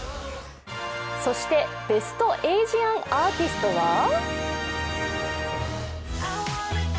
そして、ベスト・エイジアン・アーティストは？